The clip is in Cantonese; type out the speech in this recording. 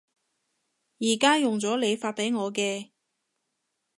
而家用咗你發畀我嘅